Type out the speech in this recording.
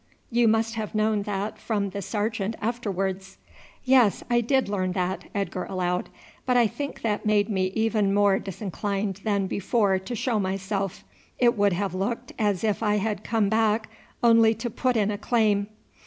You must have known that from the sergeant afterwards." "Yes, I did learn that," Edgar allowed, "but I think that made me even more disinclined than before to show myself; it would have looked as if I had come back only to put in a claim."